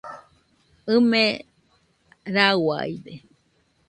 ɨme rauaide.